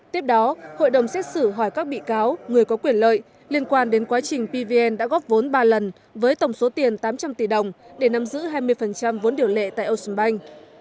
tiếp đó hội đồng xét xử hỏi các bị cáo người có quyền lợi liên quan đến quá trình pvn đã góp vốn ba lần với tổng số tiền tám trăm linh tỷ đồng để nắm giữ hai mươi vốn điều lệ tại ocean bank